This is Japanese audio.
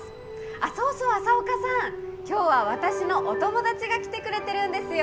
あっそうそう朝岡さん。今日は私のお友達が来てくれてるんですよ。